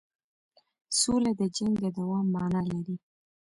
سوله د جنګ د دوام معنی لري.